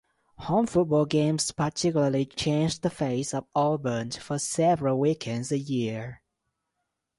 Home football games particularly change the face of Auburn for several weekends a year.